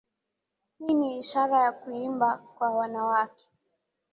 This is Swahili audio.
Hii ni ishara ya kuimba kwa wanawake